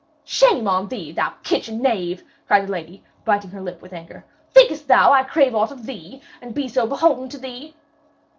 'Shame on thee, thou kitchen knave!' cried the lady, biting her lip with anger. 'Thinkest thou I shall crave aught of thee, and be so beholden to thee?'